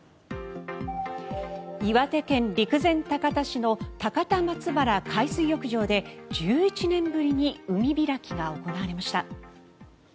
岩手県陸前高田市の高田松原海水浴場で１１年ぶりに海開きが行われました。